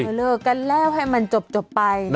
เดี๋ยวเลิกกันแล้วให้มันจบไปนะ